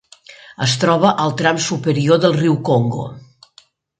Es troba al tram superior del riu Congo.